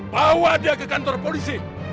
bawa dia ke kantor polisi